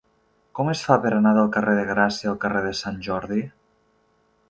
Com es fa per anar del carrer de Gràcia al carrer de Sant Jordi?